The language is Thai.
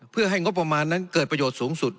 เพื่อให้งบประมาณนั้นเกิดประโยชน์สูงสุด